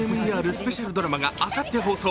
スペシャルドラマがあさって放送。